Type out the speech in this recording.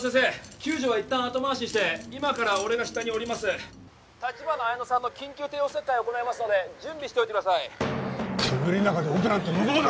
救助は一旦後回しにして今から俺が下に下ります立花彩乃さんの緊急帝王切開を行いますので準備してください煙の中でオペなんて無謀だ！